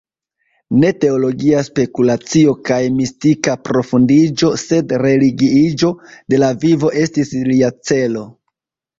Ne teologia spekulacio kaj mistika profundiĝo, sed religiiĝo de la vivo estis lia celo.